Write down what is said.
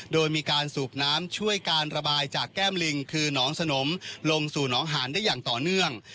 โดยมีการสูบน้ำช่วยการระบายจากแก้มลิงคือน้องสนมลงสู่น้องหานได้อย่างต่อเนื่อง